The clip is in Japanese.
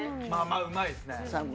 まぁまぁうまいですね。